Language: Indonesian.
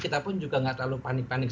kita pun juga nggak terlalu panik panik